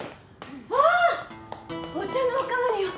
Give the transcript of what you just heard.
お茶のお代わりを。